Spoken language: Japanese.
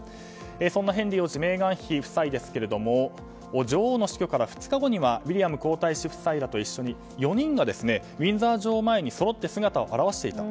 そんなヘンリー王子メーガン妃夫妻ですが女王の死去から２日後にはウィリアム皇太子夫妻らと一緒に４人がウィンザー城前にそろって姿を現していた。